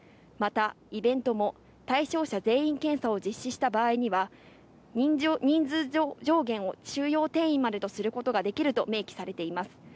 またイベントも対象者全員検査を実施した場合には、人数上限を収容定員までとすることができると明記されています。